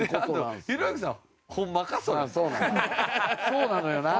そうなのよな。